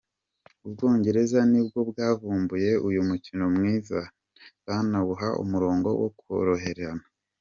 U Bongereza nibwo bwavumbuye uyu mukino mwiza, banawuha umurongo wo koroherana.